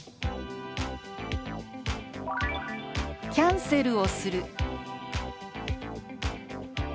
「キャンセルをする」。